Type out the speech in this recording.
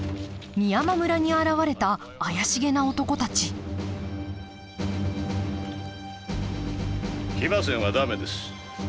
美山村に現れた怪しげな男たち騎馬戦は駄目です。